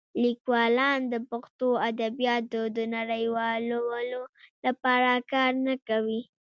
لیکوالان د پښتو ادبیاتو د نړیوالولو لپاره کار نه کوي.